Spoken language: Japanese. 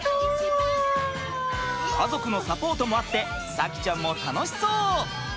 家族のサポートもあって咲希ちゃんも楽しそう！